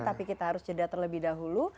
tapi kita harus jeda terlebih dahulu